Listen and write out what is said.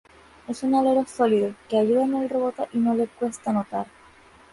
Es un alero sólido, que ayuda en el rebote y no le cuesta anotar.